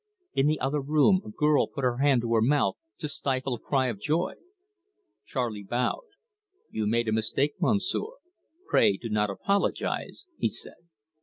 In the other room a girl put her hand to her mouth to stifle a cry of joy. Charley bowed. "You made a mistake, Monsieur pray do not apologise," he said.